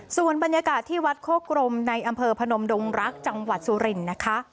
ส่วนบรรยากาศที่วัดโคกรมในอำเภอพนมดงรักจังหวัดสุรินทร์นะคะ